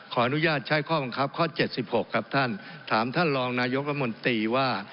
ขออนุญาตใช้ข้อบังคับข้อเจ็ดสิบหกครับท่านถามท่านรองนายกมติว่า